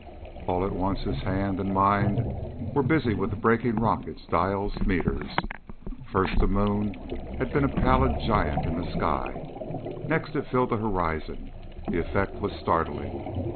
All at once his hands and mind were busy with the braking rockets, dials, meters. First the moon had been a pallid giant in the sky; next it filled the horizon. The effect was startling.